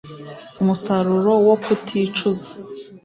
Umusaruro wo kuticuza